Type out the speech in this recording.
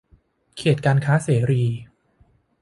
เขตการค้าเสรี